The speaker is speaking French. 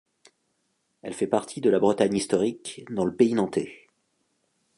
Elle fait partie de la Bretagne historique, dans le Pays nantais.